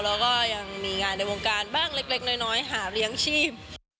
แล้วก็ยังมีงานในวงการบ้างเล็กน้อยหาเลี้ยงชีพ